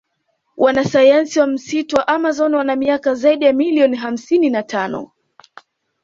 Wanasayansi wa msitu wa amazon wana miaka zaidi ya million hamsini na tano